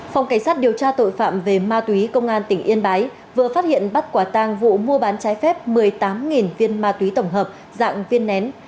phòng cảnh sát điều tra tội phạm về ma túy công an tỉnh yên bái vừa phát hiện bắt quả tang vụ mua bán trái phép một mươi tám viên ma túy tổng hợp dạng viên nén